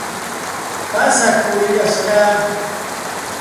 Pasakurillashqaa.